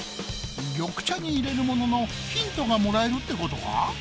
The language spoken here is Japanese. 緑茶に入れるもののヒントがもらえるってことか？